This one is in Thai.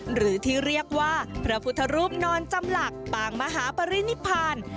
หรือที่เรียกว่าพระพุทธรูปนอนจำหลักปางมหาปรินิพาน